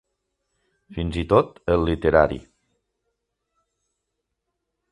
Fins i tot el literari.